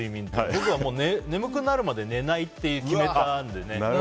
僕は眠くなるまで寝ないって決めたのでね。